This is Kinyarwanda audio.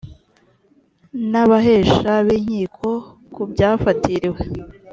n’ abahesha b’ inkiko ku byafatiriwe